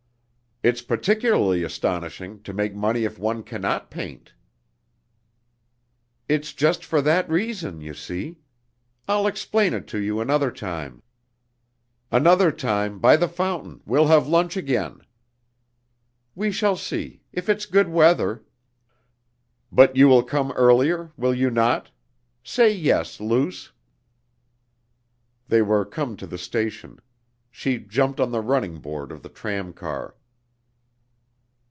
"It's particularly astonishing to make money if one cannot paint." "It's just for that reason, you see. I'll explain it to you another time." "Another time, by the fountain, we'll have lunch again." "We shall see. If it's good weather." "But you will come earlier? Will you not? Say yes ... Luce...." (They were come to the station. She jumped on the running board of the tram car.)